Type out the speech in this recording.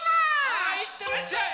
はいいってらっしゃい。